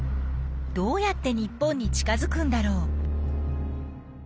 どうやって日本に近づくんだろう？